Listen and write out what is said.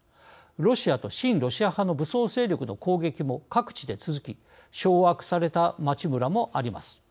ロシアと親ロシア派の武装勢力の攻撃も各地で続き掌握された町、村もあります。